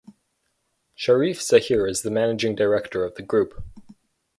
Sharif Zahir is the Managing Director of the group.